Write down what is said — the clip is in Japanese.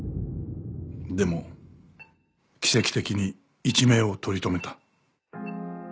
でも奇跡的に一命を取り留めた。